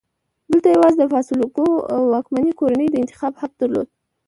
دلته یوازې د فاسولوکو واکمنې کورنۍ د انتخاب حق درلود.